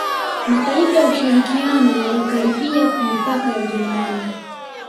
Mataifa ya ushirikiano yalikaribia mipaka ya Ujerumani